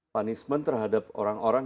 punishment terhadap orang orang